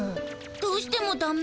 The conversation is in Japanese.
どうしてもダメ？